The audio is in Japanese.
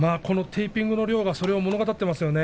トレーニングの量がそれを物語っていますよね。